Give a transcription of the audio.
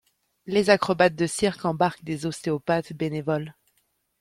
Les acrobates de cirque embarquent des ostéopathes bénévoles.